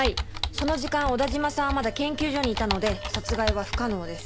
その時間小田嶋さんはまだ研究所にいたので殺害は不可能です。